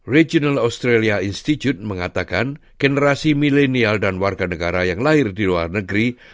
regional australia institute mengatakan generasi milenial dan warga negara yang lahir di luar negeri